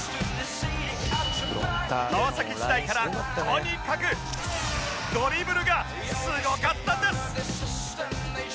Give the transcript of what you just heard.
川崎時代からとにかくドリブルがすごかったんです